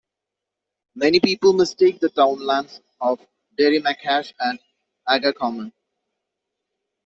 Many people mistake the townlands of Derrymacash and Aghacommon.